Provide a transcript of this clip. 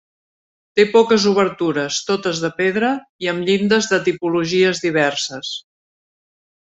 Té poques obertures, totes de pedra i amb llindes de tipologies diverses.